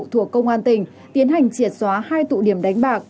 thuộc công an tỉnh tiến hành triệt xóa hai tụ điểm đánh bạc